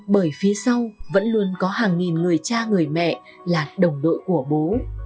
bởi phía sau vẫn luôn có hàng nghìn người cha người mẹ là đồng đội của bố